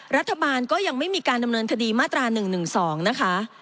รัฐบาลก็ยังไม่มีการดำเนินคดีมาตรา๑๑๒นะคะ